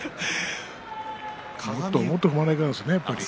もっと踏まなきゃいかんですね。